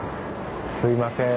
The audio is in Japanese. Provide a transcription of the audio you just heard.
すいません。